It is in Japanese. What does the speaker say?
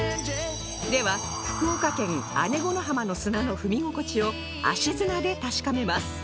では福岡県姉子の浜の砂の踏み心地を足砂で確かめます